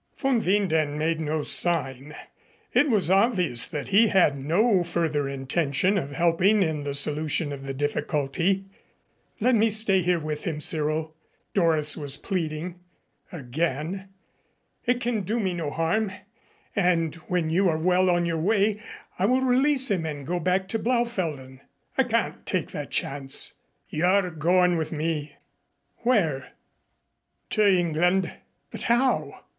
Von Winden made no sign. It was obvious that he had no further intention of helping in the solution of the difficulty. "Let me stay here with him, Cyril," Doris was pleading again. "It can do me no harm, and when you are well on your way, I will release him and go back to Blaufelden." "I can't take that chance. You're going with me." "Where?" "To England." "But how?"